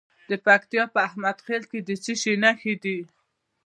د پکتیا په احمد خیل کې د څه شي نښې دي؟